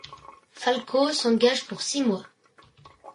Falcao s'engage pour six mois.